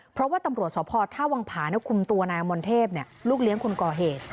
เพราะว่าตำรวจสพท่าวังผาคุมตัวนายอมรเทพลูกเลี้ยงคนก่อเหตุ